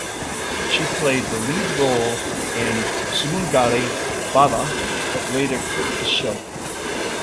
She played the lead role in "Sumangali Bhava" but later quit the show.